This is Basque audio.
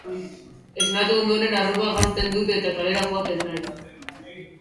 Esnatu ondoren arropa jantzen dut eta kalera joaten naiz